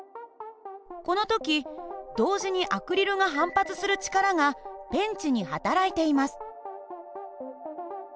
この時同時にアクリルが反発する力がペンチにはたらいています。